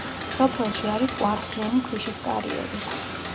სოფელში არის კვარციანი ქვიშის კარიერი.